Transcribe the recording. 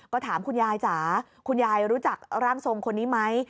ก็ถามคุณยายจ๋าคุณยายรู้จักร่างทรงคนนี้ไหม